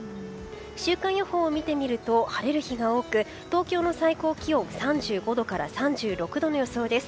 週間予報を見てみると晴れる日が多く東京の最高気温３５度から３６度の予想です。